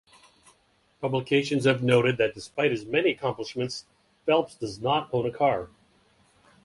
Publications have noted that despite his many accomplishments, Phelps does not own a car.